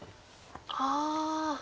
ああ。